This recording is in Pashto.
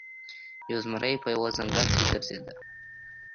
یو زمری په یوه ځنګل کې ګرځیده.